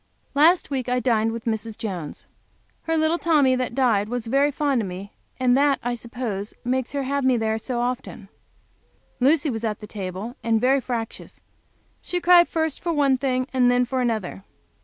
Last week I dined with Mrs. Jones. Her little Tommy was very fond of me, and that, I suppose, makes her have me there so often. Lucy was at the table, and very fractious. She cried first for one thing and then for another.